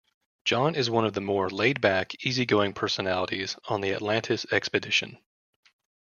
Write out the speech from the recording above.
John is one of the more laid-back, easy-going personalities on the Atlantis Expedition.